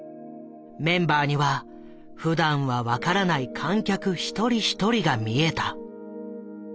メンバーにはふだんは分からない観客一人一人が見えた。